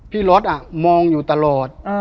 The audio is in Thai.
พี่รถมองอยู่ตลอด